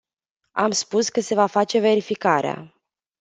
Am spus că se va face verificarea.